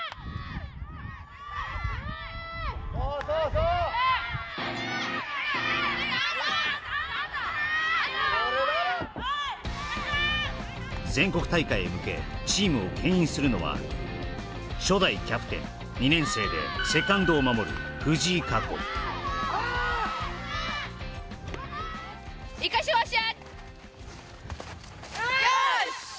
とれよ全国大会へ向けチームを牽引するのは初代キャプテン２年生でセカンドを守る藤井華子よし！